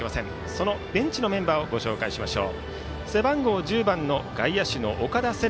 そのベンチのメンバーを紹介しましょう。